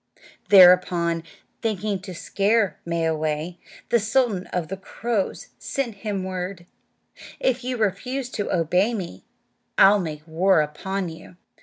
Thereupon, thinking to scare Mwayway, the sultan of the crows sent him word, "If you refuse to obey me I'll make war upon you."